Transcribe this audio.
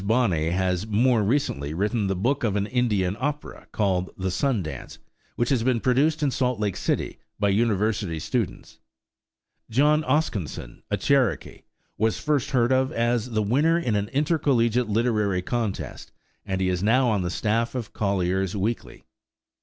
Bonney has more recently written the book of an Indian opera called "The Sun Dance," which has been produced in Salt Lake City by university students. John Oskinson, a Cherokee, was first heard of as the winner in an intercollegiate literary contest, and he is now on the staff of Collier's Weekly.